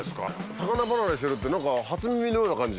魚離れしてるって何か初耳のような感じ。